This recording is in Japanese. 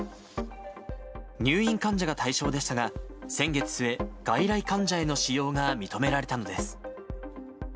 入院患者が対象でしたが、先月末、外来患者への使用が認められたのです。